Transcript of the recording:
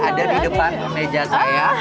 ada di depan meja saya